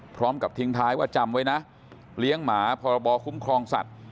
พร้อมกับทิ้งท้ายว่าจำไว้นะเลี้ยงหมาพรบคุ้มครองสัตว์